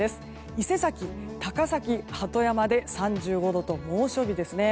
伊勢崎、高崎、鳩山で３５度と猛暑日ですね。